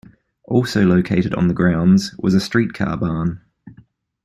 Also located on the grounds was a streetcar barn.